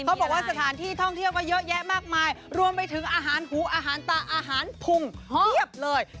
บอกว่าสถานที่ท่องเที่ยวก็เยอะแยะมากมายรวมไปถึงอาหารหูอาหารตาอาหารพุงเพียบเลย